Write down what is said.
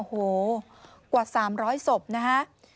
โอ้โหกว่า๓๐๐ศพนะฮะ